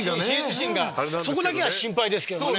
そこだけは心配ですけどね。